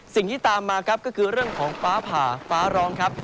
สิ่งที่ตามมาครับก็คือเรื่องของฟ้าผ่าฟ้าร้องครับ